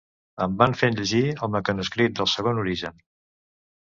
Em van fer llegir "El mecanoscrit del segon origen".